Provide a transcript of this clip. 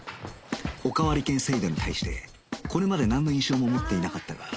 おかわり券制度に対してこれまでなんの印象も持っていなかったが